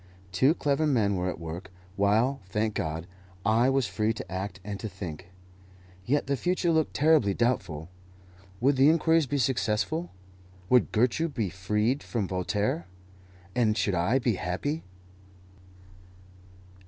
Two clever men were at work, while, thank God, I was free to act and to think. Yet the future looked terribly doubtful. Would the inquiries be successful? would Gertrude be freed from Voltaire? and should I be happy?